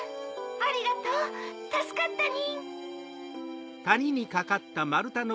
ありがとうたすかったニン！